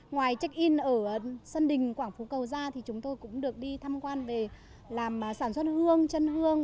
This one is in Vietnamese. ngoài check in ở sân đình quảng phú cầu ra thì chúng tôi cũng được đi thăm quan về làm sản xuất hương chân hương